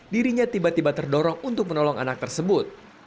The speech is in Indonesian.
dirinya tiba tiba terdorong untuk menolong anak tersebut